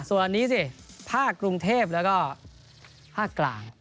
ส่วนอันนี้สิภาคกรุงเทพแล้วก็ภาคกลาง